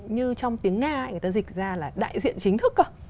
như trong tiếng nga người ta dịch ra là đại diện chính thức